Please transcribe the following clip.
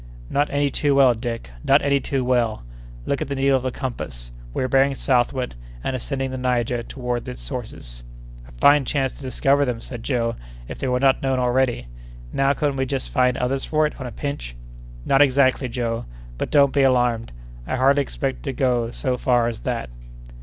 "Not any too well, Dick; not any too well! Look at the needle of the compass; we are bearing southward, and ascending the Niger toward its sources." "A fine chance to discover them," said Joe, "if they were not known already. Now, couldn't we just find others for it, on a pinch?" "Not exactly, Joe; but don't be alarmed: I hardly expect to go so far as that."